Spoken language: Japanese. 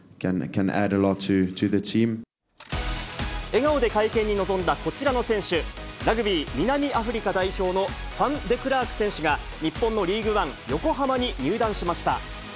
笑顔で会見に臨んだこちらの選手、ラグビー南アフリカ代表のファフ・デクラーク選手が日本のリーグワン・横浜に入団しました。